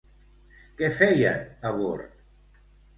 Què feien a bord?